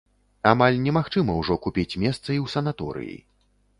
Амаль немагчыма ўжо купіць месца і ў санаторыі.